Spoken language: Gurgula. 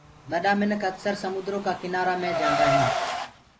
ٻڏآ مينک اڪسر سموندرو ڪو ڪنآرآ مي جآندآ هينٚ۔